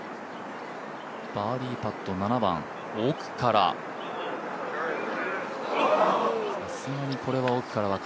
バーディーパット７番奥から。